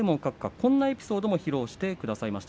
こんなエピソードも披露してくださいました。